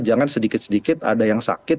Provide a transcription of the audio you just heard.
jangan sedikit sedikit ada yang sakit